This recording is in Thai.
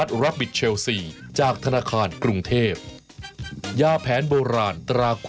สวัสดีค่ะข้าวใส่ไข่สดใหม่ให้เยอะ